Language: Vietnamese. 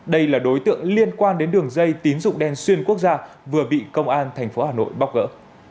đây là đối tượng liên quan đến đường dây tín dụng đen xuyên quốc gia vừa bị công an tp hà nội bóc gỡ